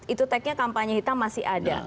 itu tag nya kampanye hitam masih ada